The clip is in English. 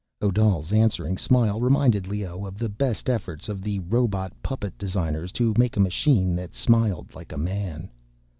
Odal's answering smile reminded Leoh of the best efforts of the robot puppet designers to make a machine that smiled like a man.